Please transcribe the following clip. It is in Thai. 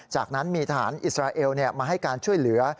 จากนั้นมีทหารอิสราเอลมาให้การช่วยเหลือ